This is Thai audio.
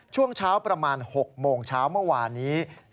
ช่วงเช้าประมาณ๖โมงเช้าเมื่อวานนี้